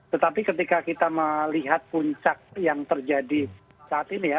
tetapi ketika kita melihat puncak yang terjadi saat ini ya